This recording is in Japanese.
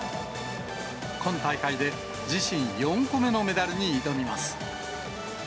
今大会で自身４個目のメダルに挑みます。